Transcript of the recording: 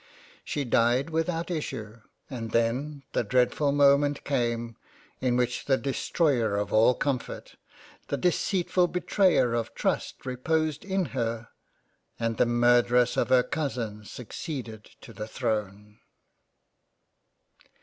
She died without issue, and then the dreadful moment came in which the destroyer of all comfort, the deceit ful Betrayer of trust reposed in her, and the Murderess of her Cousin succeeded to the Throne.